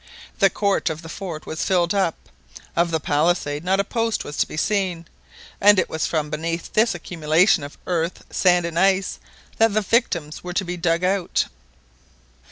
The court of the fort was filled up, of the palisade not a post was to be seen, and it was from beneath this accumulation of earth, sand, and ice, that the victims were to be dug out.